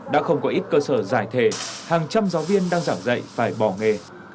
đã không có ít cơ sở giải thể hàng trăm giáo viên đang giảng dạy phải bỏ nghề